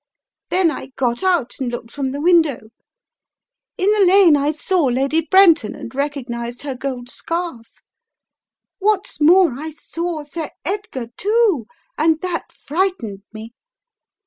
Then I got out and looked from the window. In the lane I saw Lady Brenton and recognized her gold scarf. What's more I saw Sir Edgar, too, and that frightened me!